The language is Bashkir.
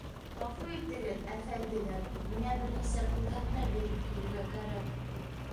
Ғәфү итегеҙ, әфәнделәр, миңә бер нисә күрһәтмә биреп килергә кәрәк.